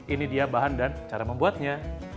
ini dia bahan dan cara membuatnya